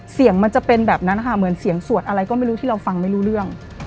เสียงมันจะเป็นแบบนั้นค่ะเหมือนเสียงสวดอะไรก็ไม่รู้ที่เราฟังไม่รู้เรื่อง